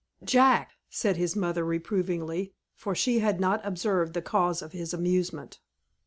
"Jack!" said his mother, reprovingly, for she had not observed the cause of his amusement.